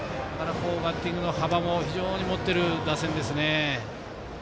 バッティングの幅も非常に持っている打線ですね。